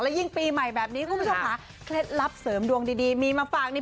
ยิ่งปีใหม่แบบนี้คุณผู้ชมค่ะเคล็ดลับเสริมดวงดีมีมาฝากนี่